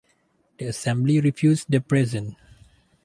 The assembly refused the present.